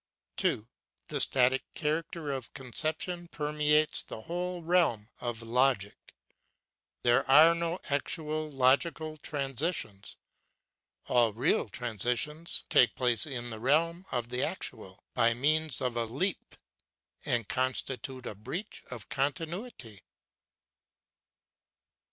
2. The static character of conception permeates the whole realm of logic; there are no actual logical transitions. All real transitions take place in the realm of the actual, by means of a leap, and constitute a breach of continuity.